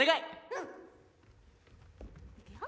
うん。いくよ。